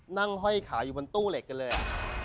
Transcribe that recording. ห้อยขาอยู่บนตู้เหล็กกันเลย